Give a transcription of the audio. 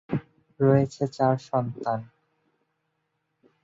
রয়েছে চার সন্তান।